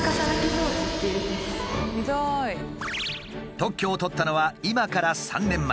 特許を取ったのは今から３年前。